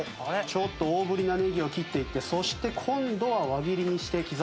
ちょっと大ぶりなネギを切っていってそして今度は輪切りにして刻んでいきます。